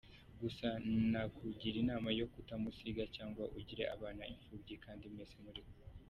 Gusa nakugirinama yo kutamusiga cg ugire abana iphubyi kandi mwese muriho.